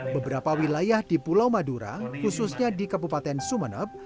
beberapa wilayah di pulau madura khususnya di kabupaten sumeneb